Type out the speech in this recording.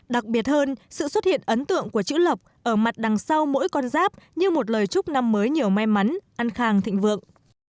đặc biệt hơn sự xuất hiện ấn tượng của chữ lộc ở mặt đằng sau mỗi con giáp như một lời chúc năm mới nhiều may mắn an khang thịnh vượng